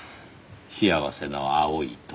幸せの青い鳥。